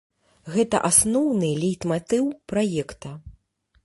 Гэта асноўны лейтматыў праекта.